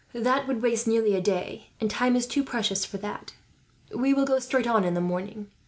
"That would waste nearly a day, and time is too precious for that. We will go straight on in the morning.